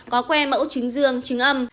có que mẫu chứng dương chứng âm